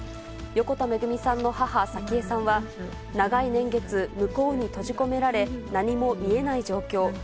横田めぐみさんの母、早紀江さんは、長い年月、向こうに閉じ込められ、何も見えない状況。